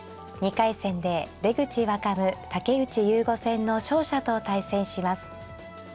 ２回戦で出口若武竹内雄悟戦の勝者と対戦します。